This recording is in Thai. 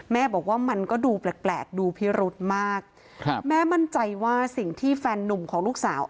แม่บอกว่ามันก็ดูแปลกแปลกดูพิรุธมากแม่มั่นใจว่าสิ่งที่แฟนนุ่มของลูกสาว